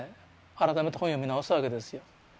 改めて本を読み直すわけですよ。